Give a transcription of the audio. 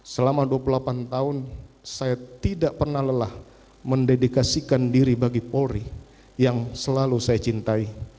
selama dua puluh delapan tahun saya tidak pernah lelah mendedikasikan diri bagi polri yang selalu saya cintai